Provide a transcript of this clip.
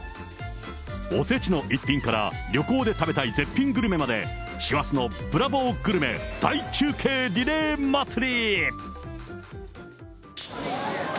おせちの一品から、旅行で食べたい絶品グルメまで、師走のブラボーグルメ大中継リレーまつり。